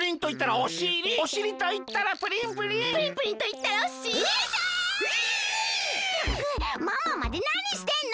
ったくママまでなにしてんの！